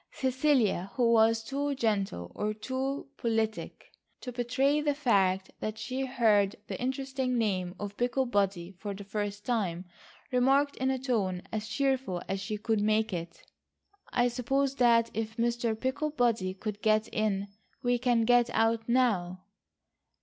Cecilia, who was too gentle or too politic to betray the fact that she heard the interesting name of Picklebody for the first time, remarked in a tone as cheerful as she could make it: "I suppose that if Mr. Picklebody could get in we can get out now."